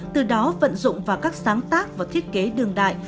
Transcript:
từ đó vận dụng vào các sáng tác và thiết kế đường đại